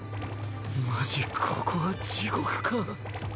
マジここは地獄か？